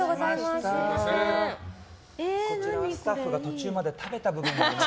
こちらスタッフが途中まで食べたものになります。